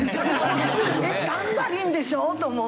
「えっタンバリンでしょ？」と思って。